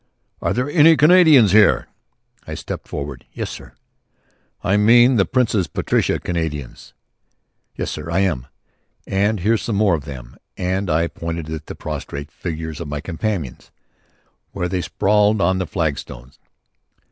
"Are there any Canadians here?" I stepped forward. "Yes, sir." "I mean the Princess Patricia's Canadians." "Yes, sir. I am. And here's some more of them," and I pointed at the prostrate figures of my companions, where they sprawled on the flagstones.